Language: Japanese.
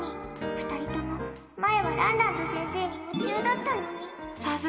２人とも前はランランド先生に夢中だったのに。